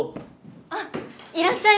あっいらっしゃいませ。